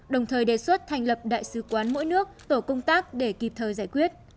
đồng thời đề xuất thành lập đại sứ quán mỗi nước tổ công tác để kịp thời giải quyết